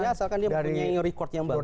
ya asalkan dia mempunyai record yang bagus